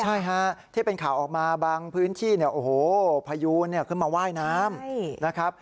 ใช่ค่ะที่เป็นข่าวออกมาบางพื้นที่พยูนี่ขึ้นมาว่ายน้ำ